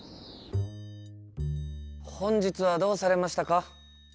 本日はどうされましたか？